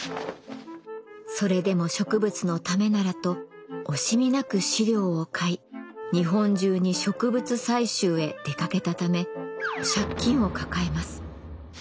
それでも植物のためならと惜しみなく資料を買い日本中に植物採集へ出かけたため借金を抱えます。